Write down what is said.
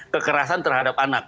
kekerasan terhadap anak